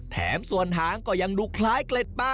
แถมส่วนหางก็ยังดูคล้ายเกล็ดปลา